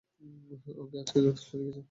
ওকে, আজকে যথেষ্ট দেখেছি।